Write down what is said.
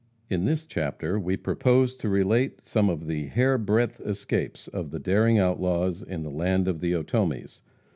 In this chapter we propose to relate some of "the hair breadth escapes" of the daring outlaws in the land of the Otomis.